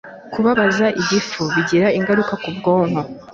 Kubabaza igifu bigira ingaruka ku bwonko.